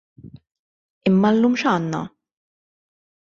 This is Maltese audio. Imma llum x'għandna?